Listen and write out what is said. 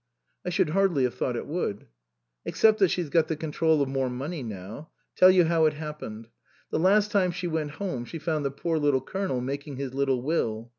" I should hardly have thought it would." " Except that she's got the control of more money now. Tell you how it happened. The last time she went home she found the poor little Colonel making his little will.